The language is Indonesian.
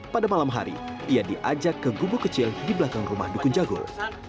pada malam hari ia diajak ke gubuk kecil di belakang rumah dukun jagung